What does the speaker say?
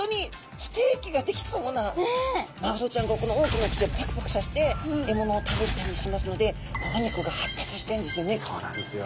マグロちゃんがこの大きな口をパクパクさせて獲物を食べたりしますのでそうなんですよ。